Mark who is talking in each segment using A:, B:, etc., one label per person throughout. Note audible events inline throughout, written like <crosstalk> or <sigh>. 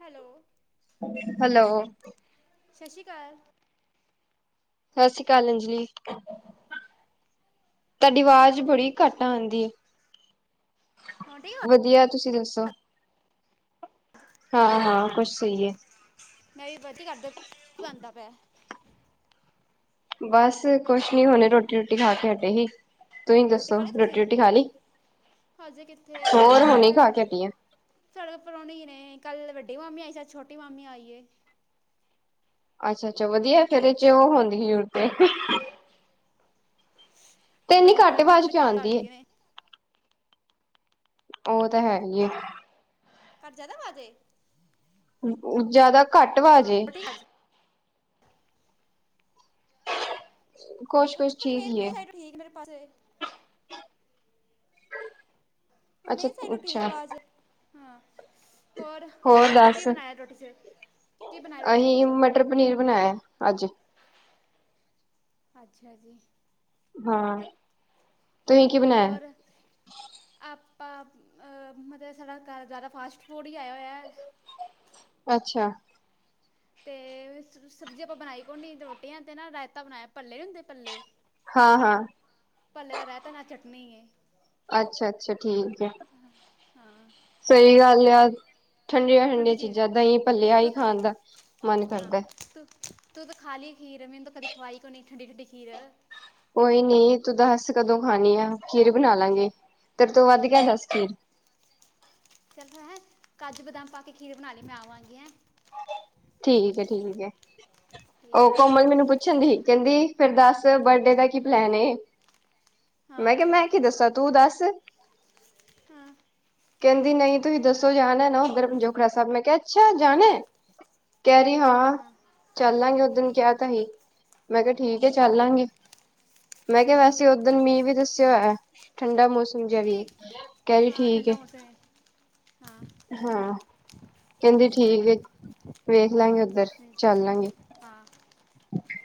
A: Hello
B: hello
A: ਸਤਿ ਸ੍ਰੀ ਅਕਾਲ।
B: ਸਤਿ ਸ੍ਰੀ ਅਕਾਲ, ਅੰਜਲੀ। ਤੁਹਾਡੀ
A: ਕਿਵੇਂ
B: ਆਵਾਜ਼
A: ਹੋ
B: ਬੜੀ ਘੱਟ ਆਉਂਦੀ ਹੈ।
A: ਹੁਣ ਠੀਕ ਹੋ
B: ਵਧੀਆ ਤੁਸੀਂ ਦੱਸੋ? ਹਾਂ- ਹਾਂ ਕੁਛ ਸਹੀ ਹੈ।
A: <unintelligible>
B: ਬਸ ਕੁਛ ਨੀ ਹੁਣੇ, ਰੋਟੀ- ਰੂਟੀ ਖਾ ਕੇ ਹਟੇ ਸੀ। ਤੁੂੰ ਹੀ ਦੱਸੋ
A: ਖਾ ਲਈ
B: ਰੋਟੀ
A: ਤੁਸੀਂ
B: ਰੂਟੀ ਖਾ ਲਈ?
A: ਹਜੇ ਕਿੱਥੇ ਅਜੇ
B: ਹੋਰ
A: ਸੜਕ
B: ਹੁਣੇ
A: ਫਿਰ
B: ਖਾ ਕੇ ਹਟੀ ਆ,
A: ਸੜਕ ਪਰੋਣੀ ਨੇ ਕੱਲ ਵੱਡੀ ਮਾਮੀ ਆਈ ਅੱਜ ਛੋਟੀ ਮਾਮੀ ਆਈ।
B: ਅੱਛਾ -ਅੱਛਾ ਵਧੀਆ, ਫਿਰ ਚ ਉਹ ਹੋਣ ਦੀ ਕੀ ਸੀ ਤੇ ਇੰਨੀ
A: ਬਸ
B: ਘੱਟ
A: ਗਰਮੀ
B: ਆਵਾਜ਼
A: ਆਪਣੇ
B: ਕਿਉ
A: ਘਰ
B: ਆਉਂਦੀ?
A: ਪਾਲਟੀ ਨੇ
B: ਉਹ ਤਾਂ ਹੈ ਗਾਂਈ ਐ।
A: ਹਰ ਜ਼ਿਆਦਾ ਵਜ਼ੇ <unintelligible>
B: ਜਿਆਦਾ ਘੱਟ ਵਾਜ ਏ।
A: ਪਰ ਠੀਕ ਅੱਜ
B: ਕੁਛ-ਕੁਛ ਠੀਕ ਹੀ ਏ।
A: <unintelligible> ਹੁਣ ਆਈ ਤੁਹਾਨੂੰ ਠੀਕ
B: ਅੱਛਾ-ਅੱਛਾ,
A: ਆਵਾਜ਼ ਹਾਂ? ਹੋਰ ਕੀ ਬਣਾਇਆ ਰੋਟੀ ਦੇ ਵਿੱਚ
B: ਅਸੀਂ ਮਟਰ, ਪਨੀਰ ਬਣਾਇਆ ਅੱਜ।
A: ਅੱਛਾ ਜੀ।
B: ਹਾਂ ਤੁਸੀਂ ਕੀ ਬਣਾਇਆ?
A: ਆਪ ਅ ਮਤਲਬ ਸਾਡਾ ਘਰ ਜਿਆਦਾ ਫਾਸਟ ਫੂਡ ਹੀ ਆਇਆ ਹੋਇਆ।
B: ਅੱਛਾ।
A: ਤੇ ਸਬਜ਼ੀ ਆਪਾਂ ਬਣਾਈ ਕੋਨੀ ਰੋਟੀਆਂ ਤੇ ਨਾ ਰਾਇਤਾ ਬਣਾਇਆ ਭੱਲੇ ਨੀ ਹੁੰਦੇ ਭੱਲੇ।
B: ਹਾਂ- ਹਾਂ।
A: ਭੱਲੋ ਦਾ ਰਾਇਤਾ ਨਾਲ ਚਟਣੀ ਹੈ।
B: ਅੱਛਾ- ਅੱਛਾ ਠੀਕ ਹੈ।
A: ਹਾਂ
B: ਸਹੀ ਗੱਲ ਯਾਰ। ਠੰਡੀਆਂ -ਠੰਡੀਆਂ
A: ਠੰਡੀ ਚੀਜ਼
B: ਚੀਜ਼ਾਂ ਦਹੀਂ ਭੱਲੇ ਆ
A: ਤੂੰ
B: ਹੀ ਖਾਣ ਦਾ ਮਨ
A: ਹਾਂ
B: ਕਰਦਾ ਹੈ।
A: ਤੂੰ ਤੂੰ ਤਾਂ ਖਾ ਲਈ ਖੀਰ, ਮੈਨੂੰ ਤਾਂ ਕਦੇ ਖਵਾਈ ਕੋਈ ਨਹੀਂ ਠੰਡੀ -ਠੰਡੀ ਖੀਰ।
B: ਕੋਈ ਨੀ ਤੂੰ ਦੱਸ ਕਦੋਂ ਖਾਣੀ ਆ, ਖੀਰ ਬਣਾ ਲਾਂਗੇ। ਤੇ ਤੂੰ ਵੱਧ ਗਿਆਦਾ ਸਕਰੀਮ
A: ਚੱਲ ਹੈਂ ਕਾਜੂ ਬਦਾਮ ਪਾ ਕੇ ਖੀਰ ਬਣਾ ਲਈ ਮੈਂ ਆਵਾਂਗੀ ਐ।
B: ਠੀਕ ਹੈ। ਠੀਕ ਹੈ ਉਹ
A: ਠੀਕ ਹੈ
B: ਕੋਮਲ ਮੈਨੂੰ ਪੁੱਛਣ
A: ਹਾਂ
B: ਦੀ ਸੀ ਕਹਿੰਦੀ ਫੇਰ ਦੱਸ? ਦੱਸ ਬਰਡੇ ਦਾ ਕੀ ਬਣਾਈ ਐ।
A: ਹਾਂ
B: ਮੈਂ ਕਿਹਾ ਮੈਂ ਕੀ ਦੱਸਾਂ ਤੂੰ ਦੱਸ।
A: ਹੂ
B: ਕਹਿੰਦੀ ਨਹੀਂ ਤੁਸੀਂ ਦੱਸੋ ਜਾਣਾ ਨਾ ਉੱਧਰ ਪਜੋੋਖੜਾ ਸਾਹਿਬ। ਮੈਂ ਕਿਹਾ ਅੱਛਾ ਜਾਣਾ ਐ। ਕਹਿ ਰਹੀ ਹਾਂ ਚੱਲਾਂਗੇ ਉਸ ਦਿਨ ਕਿਹਾ ਤਾਂ ਹੀ ਮੈਂ ਕਿਹਾ ਠੀਕ ਹੈ।
A: ਹਾਂ
B: ਚੱਲਾਂਗੇ ਮੈਂ ਕਿਹਾ
A: ਹਾਂ
B: ਵੈਸੇ ਓਦਣ ਮੀਂਹ ਵੀ ਦੱਸਿਆ ਹੋਇਆ ਠੰਡਾ ਮੌਸਮ ਸਮਝਿਆ ਵੀ
A: ਠੀਕ
B: ਕੱਲ
A: ਹਾਂ
B: ਠੀਕ।
A: ਠੰਡਾ ਮੌਸਮ ਹੈ ਹਾਂ
B: ਹੂ ਕਹਿੰਦੀ ਠੀਕ ਵੇਖ ਲਾਂਗੇ, ਉੱਧਰ ਚੱਲ ਲਾਂਗੇ।
A: ਹਾਂ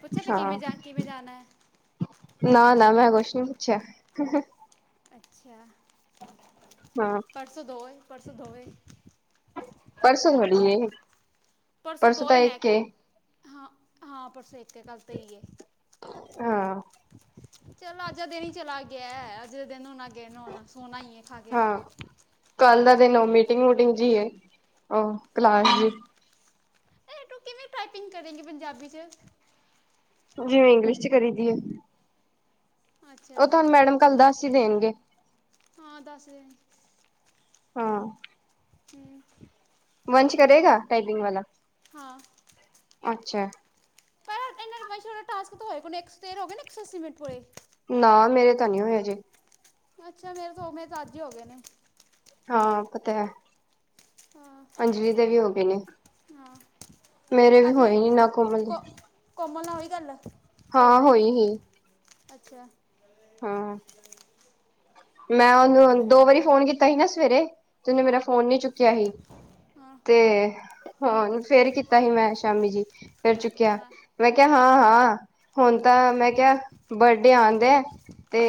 A: ਪੁੱਛਿਆ ਵੀ
B: ਹਾਂ
A: ਕਿਵੇਂ ਜਾ ਕਿਵੇਂ ਜਾਣਾ ਐ।
B: ਨਾ ਨਾ ਮੈਂ ਕੁਛ ਨੀ ਪੁੱਛਿਆ।
A: ਅੱਛਾ।
B: ਹਾਂ
A: ਪਰਸੋਂ ਦੋਏ ਪਰਸੋਂ ਦੋਏ।
B: ਪਰਸੋਂ ਥੋੜੀ ਹੈ ਪਰਸੋਂ ਤਾਂ ਇੱਕ ਕੇ
A: ਹੂ ਹੂ ਪਰਸੇ ਇੱਕ ਐ ਕੱਲ ਤੇਈ ਐ।
B: ਹੂ
A: ਚਲ ਅੱਜ ਦਾ ਦਿਨ ਹੀ ਚਲਾ ਗਿਆ ਐ। ਅਗਲੇ ਦੇ ਦਿਨ ਹੁਣ ਅੱਗੇ ਨਹਾਣਾ ਸੋਹਣਾ ਈ ਇਹ ਖਾਗੇ।
B: ਹਾਂ ਕੱਲ ਦਾ ਦਿਨ ਮੀਟਿੰਗ ਵੂਟਿੰਗ ਜੀ ਐ। ਉਹ ਕਲਾਸ
A: ਹਾਂ
B: ਜ
A: ਇਹ ਕਿਵੇਂ ਟਾਈਪਿੰਗ ਕਰੇਗੀ ਪੰਜਾਬੀ ਚ
B: ਜਿਵੇ ਇੰਗਲਿਸ਼ ਚ ਕਰੀ ਦੀ ਹੈ।
A: ਅੱਛਾ
B: ਉਹ ਤੁਹਾਨੂੰ ਮੈਡਮ ਕੱਲ ਦੱਸ ਹੀ ਦੇਣਗੇ।
A: ਹਾਂ ਦੱਸ ਦੇ
B: ਹਾਂ।
A: ਹੂ
B: ਵੰਸ਼ ਕਰੇਗਾ ਟਾਈਪਿੰਗ ਵਾਲਾ।
A: ਹਾਂ
B: ਅੱਛਾ
A: ਪਰ ਇਨੇ ਵੰਸ਼ ਟਾਸਕ ਹੋਏ ਨੀ, ਸੌ ਤੇਰ ਹੋਏ ਇੱਕ ਸੌ ਅੱਸੀ ਮਿੰਟ ਕੋਲੇ
B: ਨਾ ਮੇਰੇ ਤਾਂ ਨਹੀਂ ਹੋਇਆ ਜੇ
A: ਅੱਛਾ। ਮੇਰੇ ਤਾਂ ਓ ਮੇਰੇ ਤਾਂ ਅੱਜ ਹੀ ਹੋ ਗਏ ਨੇ
B: ਹਾਂ। ਪਤਾ ਏ
A: ਹਾਂ
B: ਅਨਜਲੀ ਦੇ ਵੀ ਹੋ ਗਏ ਨੇ
A: ਹਾਂ,
B: ਮੇਰੇ ਵੀ
A: ਅੱਜਈ
B: ਹੋਏ ਨੀ ਨਾ ਕੋਮਲ ਦੇ
A: ਕੋ-ਕੋਮਲ ਨਾਲ ਹੋਈ ਗੱਲ? ਕੋਲ
B: ਹਾਂ
A: ਤੇ
B: ਹੋਈ, ਹੋਈ।
A: ਅੱਛਾ।
B: ਹੂ, ਮੈਂ ਉਹਨੂੰ ਦੋ ਵਾਰੀ ਫੋਨ ਕੀਤਾ ਸੀ ਨਾ ਸਵੇਰੇ ਤੇ ਉਹਨੇ ਮੇਰਾ
A: ਹਾਂ
B: ਫੋਨ ਨੀ ਚੁੱਕਿਆ ਸੀ।
A: ਹਾਂ
B: ਤੇ ਹਾਂ। ਫੇਰ ਕੀਤਾ ਸੀ ਮੈਂ ਸ਼ਾਮੀ ਜੀ ਫਰ ਚੁੱਕਿਆ।
A: ਹਾਂ
B: ਮੈਂ ਕਿਹਾ ਹਾਂ, ਹਾਂ ਹੁਣ ਤਾਂ ਮੈਂ ਕਿਹਾ ਬਰਡੇ ਆਂਡਿ ਐ।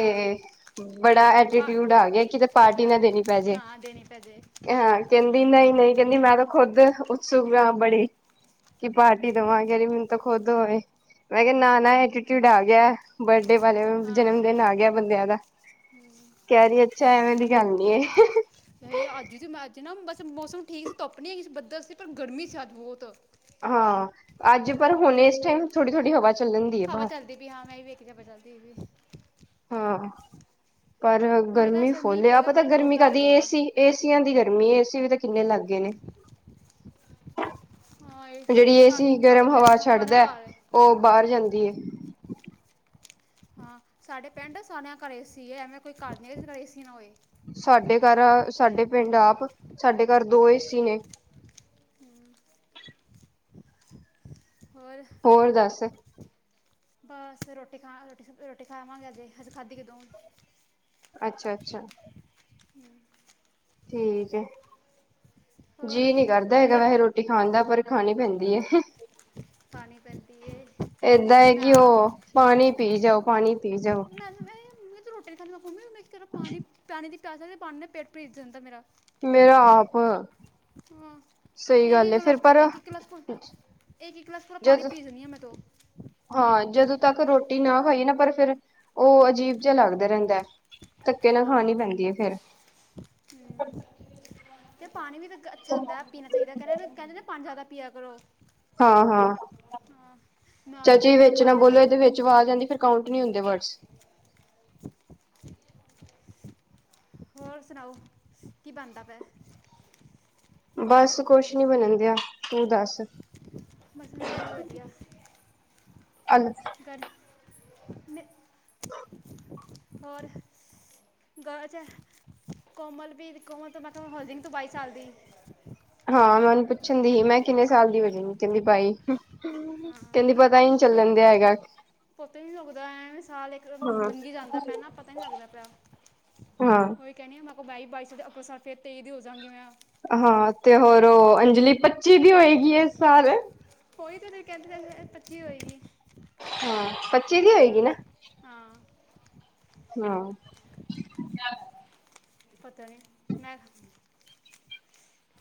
A: ਹਾਂ
B: ਬੜਾ।
A: ਪਾ
B: ਐਟੀਟਿਊਡ ਆ ਗਿਆ ਕਿਤੇ ਪਾਰਟੀ ਨਾ ਦੇਣੀ ਪੈ ਜੇ
A: ਹਾਂ ਦੇਣੀ ਪੈ ਜੇ
B: ਹਾਂ। ਕਹਿੰਦੀ ਨਹੀਂ ਨਹੀਂ ਕਹਿੰਦੀ ਮੈਂ ਤਾਂ ਖੁੱਦ ਸੁਖਨਾ ਬੜੀ ਕਿ ਪਾਰਟੀ ਦੇਵਾ ਗੇ। ਕੇ ਮੈਨੂੰ ਤਾਂ ਖੁਦ ਹੋਏ ਮੈਂ ਕਿਹਾ ਨਾ
A: ਹਾਂ
B: ਐਟੀਟਿਊਡ ਆ ਗਿਆ। ਬਰਡੇ ਵਾਲੇ
A: ਹਾਂ
B: ਜਨਮ ਦਿਨ ਆ ਗਿਆ ਬੰਦਿਆਂ ਦਾ। ਕਹਿ ਦੀ ਅੱਛਾ ਐਵੇਂ ਦੀ ਗੱਲ ਨੀ
A: ਚ ਅੱਜ, ਅੱਜ ਨਾ ਬਸ ਮੌਸਮ ਠੀਕ ਸੀ ਧੁੱਪ ਨੀ ਸੀ ਬੱਦਲ ਸੀ ਪਰ ਗਰਮੀ ਸੀ ਅੱਜ ਬਹੁਤ
B: ਹਾਂ। ਅੱਜ ਪਰ ਹੁਣ ਇਸ ਟਾਈਮ ਥੋੜੀ ਥੋੜ੍ਹੀ ਹਵਾ ਚੱਲਣ ਦੀ ਹੈ
A: ਹਾਂਵਾ।
B: ਬਾਹਰ
A: ਚੱਲਦੀ ਪ ਹਾਂ ਮੈਂ ਵੀ ਵੇਖਿਆ ਜਾ ਕੇ ਚੱਲਦੀ ਵੀ
B: ਹਾਂ। ਪਰ
A: ਮੈਨੂੰ ਲੱਗਦਾ
B: ਗਰਮੀ
A: ਇਸ ਵਾਰ ਮੀਂਹ
B: ਫੋਲਿਆ
A: ਪਏਗਾ
B: ਪਤਾ
A: ਬੜੀ
B: ਗਰਮੀ
A: ਜ਼ੋਰਦਾਰ
B: ਕਾਹਦੀ
A: ਪਏਗਾ
B: ਏਸੀ ਏਸੀਆਂ ਦੀ ਗ ਨੀ ਏਸੀ ਵੀ ਤਾਂ ਕਿੰਨੇ ਲੱਗ ਗੇਏ ਨੇ
A: ਹਾਂ ਇਹ
B: ਜਿਹੜੀ
A: ਸਾ
B: ਏਸੀ
A: ਸਾਡੇ
B: ਗਰਮ
A: ਪਿੰਡ
B: ਹਵਾ
A: ਸਾਰਿਆਂ
B: ਛੱਡਦਾ।
A: ਘਰ
B: ਉਹ ਬਾਹਰ ਜਾਂਦੀ ਐ।
A: ਹਾਂ। ਸਾਡੇ ਪਿੰਡ ਸਾਰਿਆਂ ਦੇ ਘਰੇ ਏ-ਸੀ ਐ। ਐਵੇਂ ਕੋਈ ਘਰ ਨਹੀਂ ਹੈ, ਜਿਦੇ ਏ-ਸੀ ਨਾ ਹੋਏ।
B: ਸਾਡੇ ਘਰ ਸਾਡੇ ਪਿੰਡ ਆਪ ਸਾਡੇ ਘਰ ਦੋ ਏ-ਸੀ ਨੇ। <inaudible> ਹੋਰ ਦੱਸ।
A: ਬਸ ਰੋਟੀ ਖਾ ਰੋਟੀ, ਰੋਟੀ ਖਾਵਾਂਗੇ ਅਜੇ, ਅਜੇ ਖਾਧੀ ਕਦੋ?
B: ਅੱਛਾ ਅੱਛਾ ਠੀਕ ਹੈ।
A: ਹੋਰ
B: ਜੀ ਨਹੀਂ ਕਰਦਾ
A: ਚੱਲ
B: ਹੈਗਾ ਵੈਸੇ
A: ਇੱਕ
B: ਰੋਟੀ ਖਾਨ ਦਾ ਪਰ ਖਾਣੀ ਪੈਂਦੀ
A: ਨਾ
B: ਐ।
A: ਪਾਣੀ ਪੈਂਦੀ ਏ।
B: ਏਦਾਂ ਹੈ
A: ਮੈਂ
B: ਕਿ
A: ਆ ਤੋ
B: ਉਹ ਪਾਨੀ ਪੀ ਜਾਓ, ਪਾਨੀ ਪੀ ਜਾਓ।
A: ਮੈਂ ਮੈਂ ਮੈਂ ਰੋਟੀ ਨ <unintelligible> ਪਾਨੀ, ਪਾਨੀ ਦੀ ਪਿਆਸ ਲੱਗਦੀ, ਪਾਨੀ ਨਾਲ ਪੇਟ ਭਰੀਤ ਜਾਂਦਾ ਮੇਰਾ।
B: ਮੇਰਾ ਆਪ।
A: ਹਾਂ,
B: ਸਹੀ
A: ਇੱਕ
B: ਗੱਲ
A: ਇੱਕ
B: ਹੈ ਫਿਰ
A: ਗਲਾਸ,
B: ਪਰ
A: ਇੱਕ ਇੱਕ ਗਲਾਸ ਫੁੱਲ ਇੱਕ, ਇੱਕ ਗਲਾਸ ਪੂਰਾ ਪਾਣੀ
B: ਜਦ
A: ਪੀ ਜਾਂਦੀ ਆਂ ਮੈਂ ਤੋ।
B: ਹਾਂ ਜਦੋਂ ਤੱਕ ਰੋਟੀ ਨਾ ਖਾਈਏ ਨਾ ਪਰ ਫਿਰ ਉਹ ਅਜੀਬ ਜਿਹਾ
A: ਹੂੰ
B: ਲੱਗਦਾ ਰਹਿੰਦਾ, ਧੱਕੇ ਨਾ ਖਾਨੀ
A: ਹਾਂ
B: ਪੈਂਦੀ ਹੈ ਫੇਰ।
A: ਹੂੰ। ਪਾਨੀ ਵੀ ਤਾਂ ਅੱਛਾ ਹੁੰਦਾ ਪੀਨਾ ਚਾਹੀਦਾ, ਕਹਿੰਦੇ, ਕਹਿੰਦੇ ਪਾਨੀ ਜ਼ਿਆਦਾ ਪਿਆ ਕਰੋ।
B: ਹਾਂ-ਹਾਂ,
A: ਹਾਂ ਮੈਂ ਤਾਂ
B: ਚਾਚੀ
A: ਇੰਨਾ
B: ਵਿੱਚ ਨਾ
A: ਪਾਣੀ
B: ਬੋਲੋ ਇਹਦੇ ਵਿੱਚ ਆ ਜਾਂਦੀ ਫਿਰ ਕੌਣ ਨਹੀਂ ਹੁੰਦੇ ਵਰਡਸ
A: ਹੋਰ ਸੁਨਾਓ ਕੀ ਬਨਦਾ ਪਿਆ?
B: ਬਸ ਕੁਛ ਨੀ ਬਨਨ ਦਿਆ, ਤੂੰ ਦੱਸ।
A: ਬਸ ਮੈਂ ਵੀ ਵਧੀਆ।
B: ਐਲ
A: <unintelligible> ਮੈਂ ਹੋਰ? <unintelligible> ਕੋਮਲ ਵੀ, ਕੋਮਲ ਤੋਂ ਮੈਂ ਕਿਹਾ ਹੋ ਜੇਂਗੀ ਤੂੰ ਬਾਈ ਸਾਲ ਦੀ।
B: ਹਾਂ ਮੈਂ ਉਹਨੂੰ ਪੁੱਛਣ ਦੀ ਸੀ, ਮੈਂ ਕਿੰਨੇ ਸਾਲ ਦੀ ਹੋ ਜੇਂਗੀ? ਕਹਿੰਦੀ ਬਾਈ, ਕਹਿੰਦੀ ਪਤਾ ਹੀ ਨਹੀ ਚੱਲਨ। <unintelligible>
A: ਪਤਾ ਹੀ ਨੀ ਲੱਗਦਾ, ਐਨ ਸਾਲ ਇੱਕ
B: ਹਾਂ
A: ਲੰਗੀ ਜਾਂਦਾ ਪਿਆ ਨਾ ਪਤਾ ਨੀ ਲੱਗਦਾ ਪਿਆ।
B: ਹਾਂ
A: ਉਹੀ ਕਹਿਨੀ ਮੈਂ ਕਿਹਾ ਬਾਈ-ਬਾਈ, ਅਗਲੇ ਸਾਲ ਫਿਰ ਤੇਈ ਦੀ ਹੋ ਜਾਾਂਗੀ ਮੈਂ।
B: ਹਾਂ, ਤੇ ਹੋਰ ਉਹ ਅੰਜਲੀ ਪੱਚੀ ਵੀ ਹੋਏਗੀ ਇਸ ਸਾਲ।
A: ਉਈ ਤੇਰੇ ਕਹਿੰਦੇ ਇਹ ਪਰਚੀ ਹੋਈਗੀ।
B: ਹਾਂ ਪੱਚੀ ਦੀ ਹੋਏਗੀ ਨਾ?
A: ਹਾ।
B: ਹਾਂ।
A: ਪਤਾ ਨੀ, ਮੈਂ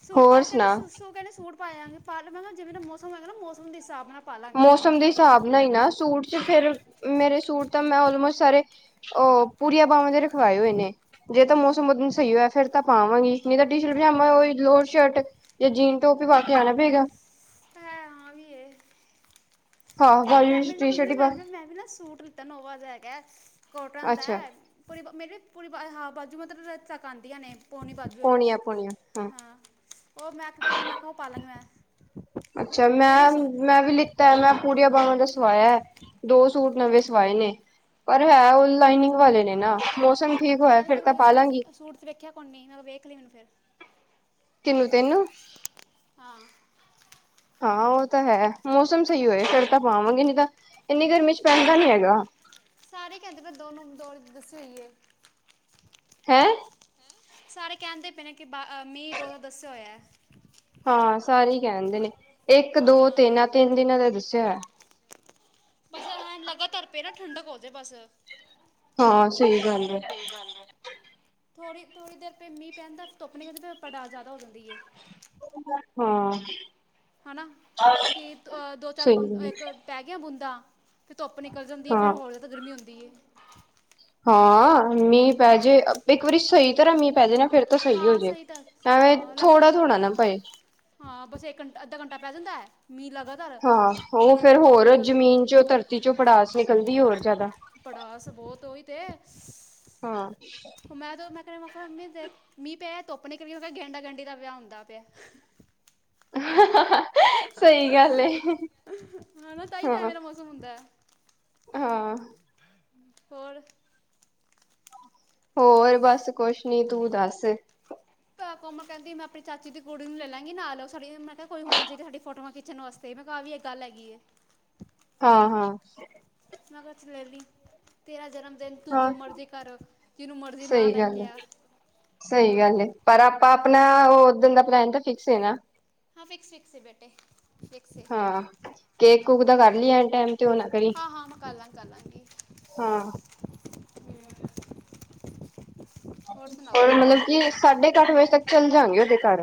A: ਸੂਟ
B: ਹੋਰ
A: ਪਾਓ, ਕਹਿੰਦੇ
B: ਸੁਣਾ
A: <unintelligible> ਕਹਿੰਦੇ ਸੂਟ ਪਾਏ ਆਂਗੇ, ਪਾ ਲੋ, ਮੈਂ ਜਿਵੇਂ ਦਾਂ ਮੌਸਮ ਹੋਏਗਾ ਨਾ ਮੌਸਮ ਦੇ ਹਿਸਾਬ ਨਾਲ ਪਾ ਲਾਂਗੇ
B: ਮੌਸਮ ਦੇ
A: ਕੱਪ
B: ਹਿਸਾਬ ਨਾਲ ਹੀ ਨਾ ਸੂਟ ਫੇਰ ਮੇਰੇ ਸੂਟ ਤਾਂ ਮੈਂ ਉਲਮੋਸਟ ਸਾਰੇ ਉਹ ਪੂਰੀਆਂ ਬਾਵਾਂ ਦੇ ਰਖਵਾਏ ਹੋਏ ਨੇ। ਜੇ ਤਾਂ ਮੌਸਮ ਉਹਦਨ ਸਹੀ ਹੋਇਆ ਫੇਰ ਤਾਂ ਪਾ ਆਵਾਂਗੀ, ਨਹੀਂ ਤਾਂ ਟੀ ਸ਼ਰਟ ਪਜਾਮਾ ਹੋਈ ਲੋਟ ਸ਼ਰਟ ਯਾ ਜੀਨ ਟੋਪ ਪਾ ਕੇ ਆਨਾ ਪਏਗਾ।
A: ਹੈ ਹਾਂ ਵੀ ਇਹ
B: ਹਾਂ
A: ਮੈਂ
B: ਵਾਲੀ
A: ਮੇਰੇ ਨਾ <unintelligible>
B: ਟੀ
A: ਮੈਂ ਵੀ
B: ਸ਼ਰਟ ਹੀ ਪਾ
A: ਨਾ, ਮੈਂ ਵੀ ਨਾ ਸੂਟ ਲਿੱਤਾ ਨੋਵਾ ਜਾ ਹੈਗਾ, ਕੋਟਨ ਦਾ
B: ਅੱਛਾ
A: ਐ ਪੂਰੀ ਮੇਰੀ ਵੀ ਪੂਰੀ ਹਾਂ ਬਾਜੂ ਮਤਲਬ <unintelligible> ਤੱਕ ਆਂਦੀਆਂ ਨੇ। ਪੋਨੀ ਬਾਜੂ ਨੇ,
B: ਪਾਉਣੀ ਆ ਪਾਉਣੀ ਆ
A: ਹਾਂ ਉਹ ਮੈਂ, ਮੈਂ ਕਿਹਾ ਉਹ ਪਾ ਲਾ ਮੈਂ।
B: ਅੱਛਾ
A: ਕਹਿੰਦੀ
B: ਮੈਂ
A: ਸੂ
B: ਮੈਂ ਵੀ ਲਿੱਤਾ ਐ, ਮੈਂ ਪੂਰੀਆਂ ਬਾਵਾ ਦਾ ਸਵਾਇਆ ਐ। ਦੋ ਸੂਟ
A: ਹਾਂ
B: ਨਵੇਂ ਸਵਾਏ ਨੇ ਪਰ ਹੈ ਉਹ ਲਾਈਨਿੰਗ ਵਾਲੇ ਨੇ ਨਾ। ਮੌਸਮ ਠੀਕ
A: ਅੰਜਲੀ
B: ਹੋਇਆ
A: ਕਹਿੰਦੀ
B: ਫਿਰ
A: ਤੈਨੂੰ
B: ਤਾਂ
A: ਕਦੀ
B: ਪਾ
A: ਸੂਟ
B: ਲਾਂਗੀ
A: ਚ, ਸੂਟ ਚ ਵੇਖਿਆ ਕੋਨੀ, ਮੈਂ ਕਿਹਾ ਵੇਖ ਲਈ ਮੈਨੂੰ ਫਿਰ।
B: ਤੈਨੂੰ ਤੈਨੂੰ
A: ਹਾਂ
B: ਹਾਂ ਉਹ ਤਾਂ ਹੈ, ਮੌਸਮ ਸਹੀ ਹੋਏ ਫੇਰ ਤੇ ਪਾ ਆਵਾਂਗੇ ਨਹੀਂ ਤਾਂ ਇੰਨੀ ਗਰਮੀ ਚ
A: ਸਾਰੇ
B: ਪੈਂਦਾ ਨੀ ਹੈਗਾ।
A: ਦੌਲ ਦੱਸੀ ਹੋਈ ਏ।
B: ਹੈਂ?
A: ਸਾਰੇ ਕਹਿੰਦੇ ਪਏ ਨੇ ਕਿ ਬ ਮੀਂਹ ਦੋ ਦਾ ਦੱਸਿਆ ਹੋਇਆ।
B: ਹਾਂ ਸਾਰੇ ਹੀ ਕਹਿੰਦੇ ਨੇ ਇੱਕ, ਦੋ,
A: ਹਾਂ
B: ਤਿੰਨ, ਇਹ ਤਿੰਨ ਦਿਨਾਂ ਦਾ ਦੱਸਿਆ ਹੋਈਆ ਐ।
A: ਬਸ ਹ ਲਗਾਤਾਰ ਪਏ ਨਾ ਠੰਡਕ ਹੌਜੇ ਬਸ
B: ਹਾਂ ਸਹੀ ਗੱਲ ਹੈ
A: ਸਹੀ ਗੱਲ ਹੈ। ਥੋੜ੍ਹੀ‌, ਥੋੜ੍ਹੀ ਦੇਰ ਪ ਮੀਂਹ ਪਹਿਦਾ ਧੁੱਪ ਨੀਕਲਦੀ ਜਿਆਦਾ ਹੋ ਜਾਂਦੀ।
B: ਹਾ।
A: ਹਨਾ ਕਿ, ਦੋ ਚਾਰ
B: ਸਹੀ
A: ਬ
B: ਗੱਲ
A: ਇੱਕ ਪੈ ਗਿਆ ਬੂੰਦਾ ਧੁੱਪ ਨਿਕਲ ਜਾਂਦੀ ਹੈ
B: ਹਾਂ
A: ਫਿਰ ਹੋਰ ਜ਼ਿਆਦਾ ਗਰਮੀ ਹੁੰਦੀ ਹੈ
B: ਹਾਂਅ, ਮੀ ਪੈਜੇ, ਇੱਕ ਵਾਰੀ ਸਹੀ ਤਰਾ ਮੀ ਪੈਜੇ ਨਾ। ਫੇਰ ਤਾਂ ਹੋ
A: ਹਾਂ
B: ਜੇ।
A: ਸਹੀ ਤਾਂ,
B: ਐਵੇਂ
A: ਹਾਂ
B: ਥੋੜਾ
A: ਲਗਾਤਾਰ,
B: ਥੋੜਾ ਨਾ ਪਏ।
A: ਹਾਂ ਬਸ ਇੱਕ ਘੰਟਾ, ਅੱਧਾ ਘੰਟਾ <inaudible>
B: ਹਾਂ ਓ ਫੇਰ
A: ਫਿਰ ਧੁੱਪ
B: ਹੋਰ
A: ਨਿਕਲ ਜਾਂਦੀ
B: ਜ਼ਮੀਨ
A: ਹੈ
B: ਚੋਂ ਧਰਤੀ ਚੋਂ ਭੜਾਸ ਨਿਕਲਦੀ ਹੋਰ ਜ਼ਿਆਦਾ।
A: ਭੜਾਸ ਬੋਹਤ ਓ ਈ ਤੇ।
B: ਹਾਂ
A: ਮੈਂ ਤੇ, ਮੈਂ ਕ ਮ ਮੰਮੀ ਦੇ ਮੀ ਪੈ ਧੁੱਪ ਨਿਕਲੀ ਮੈ ਕਿਹਾ, ਗੈਡਾਂ-ਗੈਂਡੀ ਦਾ ਵਿਆਹ ਹੁੰਦਾ ਪਿਆ।
B: <inaudible> ਸਹੀ ਗੱਲ ਏ
A: ਹੈ ਨਾ ਤਾਂ ਹੀ ਤਾਂ
B: ਹਾਂ।
A: ਐਵੇਂ ਦਾ ਮੌਸਮ ਹੁੰਦਾ ਹੈ
B: ਹਾਂਅ
A: ਹੋਰ
B: ਹੋਰ ਬੱਸ ਕੁਸ ਨੀ ਤੂੰ ਦੱਸ।
A: ਕੌਮਲ ਕੈਂਦੀ ਮੈਂ ਆਪਣੀ ਚਾਚੇ ਦੀ ਕੁੜੀ ਨੂੰ ਲੈ ਲਾਂਗੀ ਨਾ ਸਾਡੀ। ਮੈਂ ਕਿਹਾ ਕੋਈ ਹੋਣਾ ਚਾਹੀਦਾ ਸਾਡੀ ਫੋਟੋਆਂ ਖਿੱਚਣ ਵਾਸਤੇ ਵੀ ਇਹ ਗੱਲ ਹੇਗੀ ਏ।
B: ਹਾਂ, ਹਾਂ
A: ਮਗਰ ਚ ਲੇਲੀ ਤੇਰਾ ਜਨਮ ਤੇ ਤੂੰ
B: ਹਾਂ।
A: ਜੋ ਮਰਜ਼ੀ ਕਰ, ਜਿਹਨੂੰ ਮਰਜ਼ੀ ਨਾ
B: ਸਹੀ
A: ਲੈ
B: ਗੱਲ
A: ਕੇ
B: ਏ
A: ਆ।
B: ਸਹੀ
A: ਹਾਂ
B: ਗੱਲ ਹੈ। ਪਰ ਆਪਾਂ ਆਪਨਾ ਓਦਨ ਦਾ ਪਲੈਨ ਤਾਂ ਫਿਕਸ ਏ ਨਾ।
A: ਹਾਂ ਫਿਕਸ, ਫਿਕਸ ਬੇਟੇ ਫਿਕਸ ਏ।
B: ਕੇਕ-ਕੂਕ
A: ਹਮ,
B: ਦਾ ਕਰ ਲਈ ਐਣ ਟਾਈਮ ਤੇ ਉਹ ਨਾ ਕਰੀ।
A: ਹਾਂ ਹਾਂ ਮੈਂ ਕਰ ਲਾਂਗੀ ਕਰ ਲਾਂਗੀ
B: ਹਾਂ
A: ਹੋਰ ਸੁਣਾਓ
B: ਰ ਮਤਲਬ ਕਿ ਸਾਢੇ ਕੁ ਅੱਠ ਵਜੇ ਤੱਕ ਚੱਲ ਜਾਗੇ ਉਹਦੇ ਘਰ।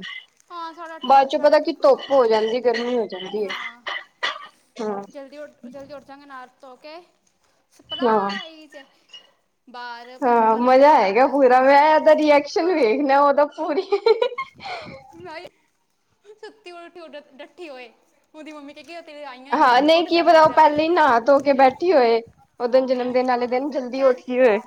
A: ਹਾਂ ਸਾਢੇ
B: ਬਾਅਦ
A: ਅੱਠ
B: ਚ
A: ਸਾਢੇ
B: ਪਤਾ
A: ਅੱਠ
B: ਕੀ
A: ਤੱਕ
B: ਧੁੱਪ
A: ਚ-
B: ਹੋ ਜਾਂਦੀ ਗਰਮੀ ਹੋ ਜਾਂਦੀ
A: ਹਾਂ
B: ਐ।
A: ਜਲਦੀ ਉਠ, ਜਲਦੀ ਉੱਠ ਜਾ ਗੇ ਨਾਅ ਧੋ ਕੇ
B: ਹਾਂ।
A: ਸਰਪਰਾਈਜ਼
B: ਹਾਂ ਮਜ਼ਾ ਹੈਗਾ ਪੂਰਾ ਮੈਂ ਉਹਦਾ ਰੀਐਕਸ਼ਨ
A: ਹਾਂ
B: ਵੇਖ ਲੇਆ ਉਹਦਾ ਪੂਰੀ
A: ਸੁੱਤੀ- ਡੱਠੀ ਹੋਏ ਉਹਦੀ ਮੰਮੀ ਕਹਿ
B: ਹਾਂ ਨਹੀਂ ਕੀ ਪਤਾ ਉਹ ਪਾਲੇ ਈ ਨਹਾ ਧੋ ਕੇ ਬੈਠੀ ਹੋਏ। ਜਨਮ ਦਿਨ
A: ਹਾਂ
B: ਆਲੇ ਦਿਨ ਜਲਦੀ ਉੱਠ
A: ਕਹਿ
B: ਗੀ ਹੋਏ।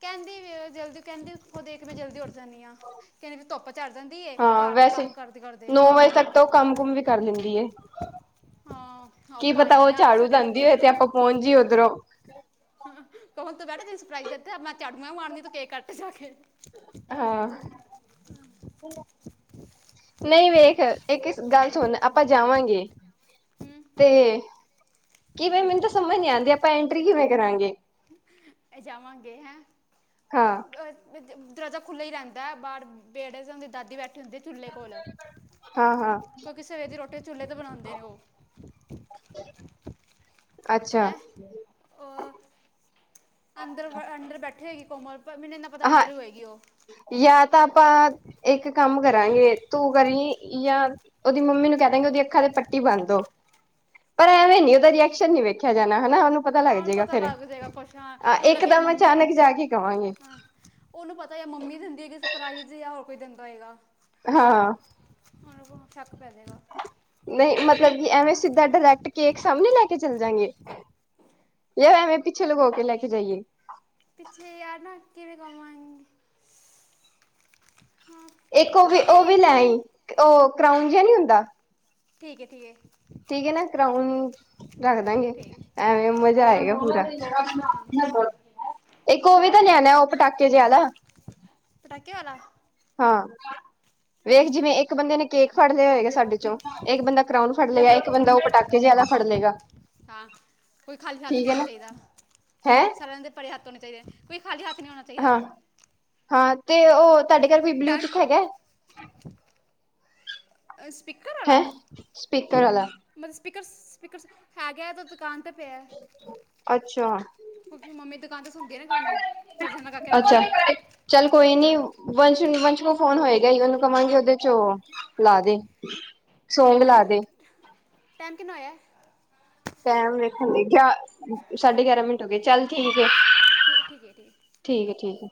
A: ਕਹਿੰਦੀ ਜਲਦੀ ਕਹਿੰਦੀ ਉਸੋ ਦੇਖ ਮੈਂ ਜਲਦੀ ਜਾਂਦੀ ਆ ਕਹਿੰਦੀ ਵੀ ਧੁੱਪ ਚੜ ਜਾਂਦੀ
B: ਹਾਂ
A: ਘਰ ਦੇ
B: ਵੈਸੇ
A: ਕੰਮ ਕਰਦੇ, ਕਰਦੇ
B: ਹੁੰਦੀ ਐ।
A: ਹਾਂ
B: ਕੀ
A: ਆਪਾਂ ਆ
B: ਪਤਾ ਓ
A: ਗਈਆਂ ਅੱਠ
B: ਝਾੜੂ
A: ਸਾਢੇ ਅੱਠ
B: ਲਾਦੀੰ ਹੋਏ ਤੇ ਆਪਾਂ ਪਹੁੰਚ ਜਈ਼ਐ ਉਧਰੋਂ
A: ਹ ਕਣ ਤੂੰ ਬਹਿ ਤੈਨੂੰ ਸਰਪਰਾਈਜ਼ ਦਿੱਤਾ ਮੈਂ ਚਾੜੂ ਮਣਨੀ ਤੂੰ ਕੇਕ ਕੱਟ ਜਾ ਕੇ।
B: <unintelligible> ਨਈ ਵੇਖ ਇੱਕ ਗੱਲ ਸੁਣ ਆਪਾਂ ਜਾਵਾਂਗੇ ਤੇ ਕੀਵੇਂ ਮੈਨੂੰ ਤਾਂ ਸਮਝ ਨੀ ਆਂਦੀ। ਆਪਾਂ ਐਂਟਰੀ ਕਿਵੇਂ ਕਰਾਂਗੇ?
A: ਜਾਵਾਂਗੇ ਹੈਅ <inaudible>
B: ਹਾਂ
A: ਦਰਵਾਜ਼ਾ ਖੁੱਲ੍ਹਲਾ ਈ ਰਹਿੰਦਾ ਐ। ਬਾਹਰ ਵੇੜੈ ਹੁੰਦੇ ਦਾਦੀ ਬੈਠੇ ਹੁੰਦੇ ਚੁਲੇ ਕੋਲ।
B: ਹਾਂ ਹਾਂ
A: ਕਿਉਂਕਿ ਸਵੇਰੇ ਦੀ ਰੋਟੀੇ ਚੁੱਲ੍ਹੇ ਤੇ ਬਨਾਉਦੇ ਨੇ ਉਹ।
B: <unintelligible> ਅੱਛਾ
A: ਹੈਂ ਓ ਅੰਦਰ ਅੰਦਰ ਬੈਠੇ ਹੋਗੀ ਕੋਮਲ। ਪਰ ਮੈਨੂੰ ਇੰਨਾ ਪਤਾ
B: ਹਾਂ,
A: ਅੰਦਰ ਹੀ ਹੋਏਗੀ ਉਹ
B: ਯਾ ਤਾਂ ਆਪਾਂ ਇੱਕ ਕੰਮ ਕਰਾਂਗੇ ਤੂੰ ਕਰੀ ਯਾ ਉਹਦੀ ਮੰਮੀ ਨੂੰ ਕਹਿ ਦਾਂਗੇ ਉਹਦੀ ਅੱਖਾਂ ਤੇ ਪੱਟੀ ਬੰਦ ਦੋ, ਪਰ ਐਵੇਂ ਨੀ ਉਹਦਾ ਰਿਏਕ ਸ਼ਨ ਨੀ ਵੇਖਿਆ ਜਾਣਾ ਹੇਨਾ ਉਹਨੂੰ ਪਤਾ ਲੱਗ
A: ਹਾਂ
B: ਜਾਏਗਾ
A: ਪਤਾ
B: ਫੇਰ,
A: ਲੱਗ ਜਾਏਗਾ ਕੁਛ ਹਾਂ
B: ਆ
A: ਉਹਨੂੰ ਲੱਗਿਆ
B: ਇੱਕਦਮ
A: ਮੰਮੀ
B: ਅਚਾਨਕ ਜਾ ਕੇ ਕਵਾਂਗੇ।
A: ਹਾਂ ਉਹਨੂੰ ਪਤਾ ਏ ਮੰਮੀ ਦਿੰਦੀ ਹੈਗੀ ਸਰਪਰਾਾਈਜ਼ ਯਾ ਹੋਰ ਕੋਈ ਦਿੰਦਾ ਹੋਏਗਾ। ਉਹਨੂੰ ਪਾਵੇ ਸ਼ੱਕ ਪੈਜੇ।
B: ਨਈ ਮਤਲਬ ਕਿ ਐਵੇਂ ਸਿੱਧਾ ਡਾਇਰੈਕਟ ਕੇਕ ਸਾਹਮਣੇ ਲੈ ਕੇ ਚੱਲ ਜਾਗੇ? ਯਾ ਵੈਵੇਂ ਪਿੱਛੇ ਲਕੋ ਕੇ ਲੈ ਕੇ ਜਾਈਏ।
A: ਪਿੱਛੇ ਯਾਰ ਨਾ ਕਿਵੇਂ ਕਵਾਂ
B: ਇੱਕ ਉਹ ਵੀ ਉਹ ਵੀ ਲੈ ਆਈ ਉਹ ਕਰਾਊਨ ਜਿਹਾ ਨਹੀਂ ਹੁੰਦਾ।
A: ਠੀਕ ਏ ਠੀਕਏ।
B: ਠੀਕ ਏ ਨਾ ਕਰਾਊਨ ਰੱਖ ਦਾਂਗੇ
A: ਠੀਕ
B: ਐਵੇਂ ਮਜ਼ਾ ਆਏਗਾ
A: ਠੀਕ
B: ਪੂਰਾ।
A: ਹਾਂ
B: ਇੱਕ ਉਹ ਵੀ ਤਾਂ ਲਿਆਨਾ ਉਹ ਪਟਾਕੇ ਜੇ ਆਲਾ।
A: ਪਟਾਕੇ ਵਾਲਾ?
B: ਹਾਂ ਵੇਖ
A: ਠੀਕ ਹੈ
B: ਜਿਵੇਂ ਇੱਕ ਬੰਦੇ ਨੇ ਕੇਕ ਫੜ ਲਿਆ ਹੋਏਗਾ ਸਾਡੇ ਚੋਂ ਇੱਕ ਬੰਦਾ ਕਰਾਊਨ ਫੜ ਲਏਗਾ ਇੱਕ ਬੰਦਾ
A: ਹਾਂ
B: ਉਹ ਪਟਾਕੇ ਜੇ ਆਲਾ ਫੜ ਲਏਗਾ।
A: ਹਾਂ ਕੋਈ ਖਾਲੀ ਹੱਥ
B: ਠੀਕ
A: ਨਹੀਂ
B: ਹੈ
A: ਹੋਣਾ
B: ਨਾ
A: ਚਾਹੀਦਾ
B: ਹੈਂ
A: ਸਾਰਿਆਂ ਦੇ ਪਰੇ ਹੱਥ ਹੋਣੇ ਚਾਹੀਦੇ। ਕੋਈ ਖਾਲੀ ਹੱਥ ਨੀ ਹੋਣਾ ਚਾਹੀਦਾ।
B: ਹਾਂ ਹਾਂ ਤੇ ਉਹ ਤੁਹਾਡੇ ਘਰ ਕੋਈ ਬਲੂਟੂਥ
A: ਟੈਂਟ
B: ਹੈਗਾ?
A: ਸਪੀਕਰ
B: ਹੈਂ ਸਪੀਕਰ ਆਲਾ।
A: ਸਪੀਕਰਸ ਸਪੀਕਰਸ ਹੈਗਾ ਤਾਂ ਦੁਕਾਨ ਤੇ ਪਿਆ।
B: ਅੱਛਾ।
A: ਕਿਉਂਕਿ ਮੰਮੀ ਦੁਕਾਨ ਤੇ ਸੁਣਦੀ ਹੈ ਨਾ ਗਾਣੇ ਭਜਨ ਲਗਾ ਕੇ ਰੱਖਦੇ
B: ਅੱਛਾ
A: ਨੇ
B: ਚੱਲ ਕੋਈ ਨੀ
A: ਹਾਂ
B: ਵੰਸ਼ ਨੂ ਵੰਸ਼ ਕੋ ਫੋਨ ਹੋਏਗਾ ਈ ਉਹਨੂੰ ਕਵਾਂਗੇ ਉਹਦੇ ਚ
A: ਹਾਂ
B: ਉਹ ਲਾ ਦੇ, ਸੋਂਗ ਲਾ ਦੇ।
A: ਟੇਮ ਕਿੰਨਾ ਹੋਇਆ?
B: ਟੇਮ ਵੇਖਨ ਗਈ ਗਯਾ ਸਾਢੇ ਗਿਆਰਾਂ ਮਿੰਟ ਹੋ ਗਏ ਚੱਲ ਠੀਕ ਏ,
A: ਠੀਕ ਠੀਕ ਹੈ ਠੀਕ ਹੈ
B: ਠੀਕ ਏ-ਠੀਕ ਏ।